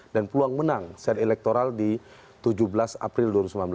dan peluang menang saat elektoral di tujuh belas april dua ribu sembilan belas